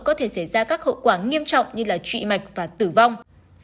có thể xảy ra các hậu quả nghiêm trọng như trụy mạch và tử vong